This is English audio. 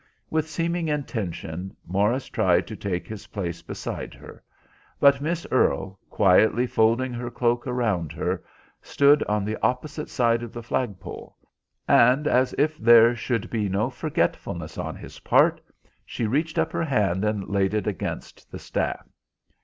With seeming intention Morris tried to take his place beside her, but Miss Earle, quietly folding her cloak around her, stood on the opposite side of the flagpole, and, as if there should be no forgetfulness on his part, she reached up her hand and laid it against the staff.